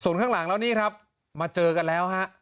ส่วนข้างหลังแล้วนี่ครับมาเจอกันแล้วฮะ